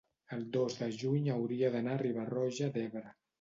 el dos de juny hauria d'anar a Riba-roja d'Ebre.